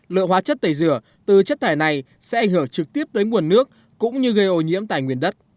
lượng hóa chất tẩy rửa từ chất thải này sẽ ảnh hưởng trực tiếp tới nguồn nước cũng như gây ô nhiễm tài nguyên đất